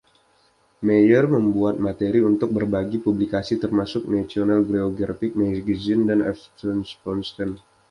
Meyer membuat materi untuk berbagai publikasi termasuk National Geographic Magazine dan Aftenposten.